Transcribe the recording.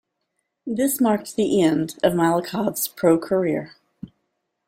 This marked the end of Malakhov's pro career.